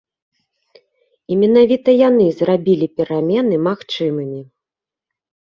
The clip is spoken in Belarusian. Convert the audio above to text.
І менавіта яны зрабілі перамены магчымымі.